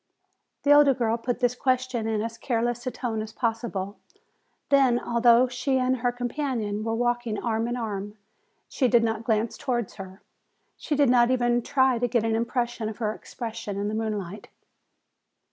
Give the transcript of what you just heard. The older girl put this question in as careless a tone as possible. Then, although she and her companion were walking arm in arm, she did not glance toward her. She did not even try to get an impression of her expression in the moonlight.